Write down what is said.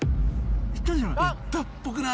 行ったんじゃない？